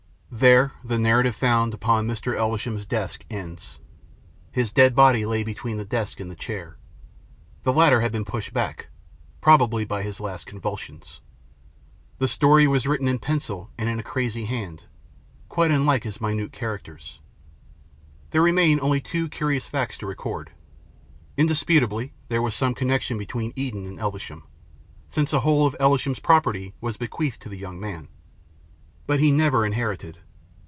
There the narrative found upon Mr. Elvesham's desk ends. His dead body lay between the desk and the chair. The latter had been pushed back, probably by his last convulsions. The story was written in pencil, and in a crazy hand, quite unlike his usual minute characters. There remain only two curious facts to record. Indisputably there was some connection between Eden and Elvesham, since the whole of Elvesham's property was bequeathed to the young man. But he never inherited.